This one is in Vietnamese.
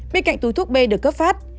bên cạnh túi thuốc b được cấp phát